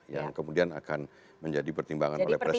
yang kemudian akan menjadi pertimbangan oleh presiden